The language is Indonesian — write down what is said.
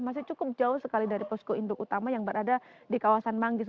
masih cukup jauh sekali dari posko induk utama yang berada di kawasan manggis